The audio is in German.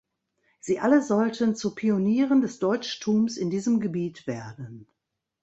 Sie alle sollten zu Pionieren des Deutschtums in diesem Gebiet werden.